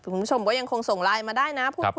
คุณผู้ชมก็ยังคงส่งไลน์มาได้นะ